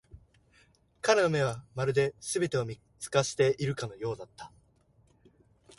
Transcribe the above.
彼の目は、まるで全てを見透かしているかのようだった。